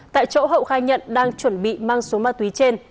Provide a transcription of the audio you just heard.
tại chỗ hậu khai nhận đang chuẩn bị mang xuống ma tùy trên